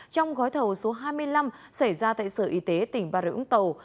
trong gói thầu số hai mươi năm xảy ra tại sở y tế tỉnh bà rịa úng tàu